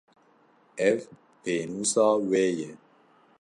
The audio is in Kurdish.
Ev, pênûsa wê ye.